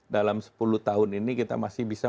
dalam sepuluh tahun ini kita masih bisa